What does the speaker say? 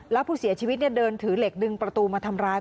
แล้วผู้เสียชีวิตเดินถือเหล็กดึงประตูมาทำร้าย